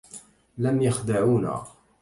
لم يخدعونا